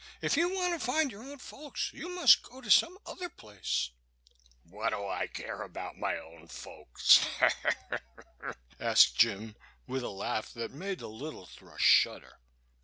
If you want to find your own folks you must go to some other place." "What do I care about my own folks?" asked Jim, with a laugh that made the little thrush shudder.